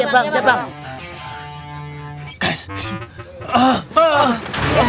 waduh cari minyak air putih bang